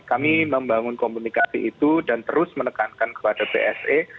kami membangun komunikasi itu dan terus menekankan kepada bse